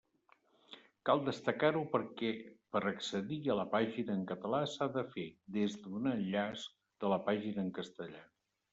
Cal destacar-ho perquè per accedir a la pàgina en català s'ha de fer des d'un enllaç de la pàgina en castellà.